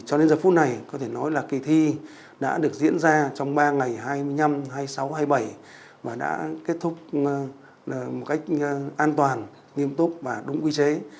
cho đến giờ phút này có thể nói là kỳ thi đã được diễn ra trong ba ngày hai mươi năm hai mươi sáu hai mươi bảy và đã kết thúc một cách an toàn nghiêm túc và đúng quy chế